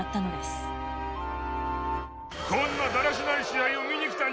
こんなだらしない試合を見に来たんじゃないぞ！